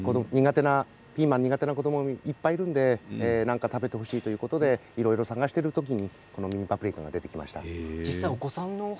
ピーマンが苦手な子どももいっぱいいるので何か食べてほしいといろいろ探している時にこのパプリカが出てきました。